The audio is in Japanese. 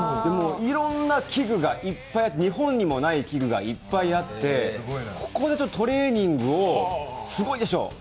いろんな器具がいっぱいあって日本にもない器具がいっぱいあってここでトレーニングをすごいでしょ？